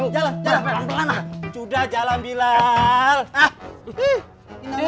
jalan jalan pelan pelan lah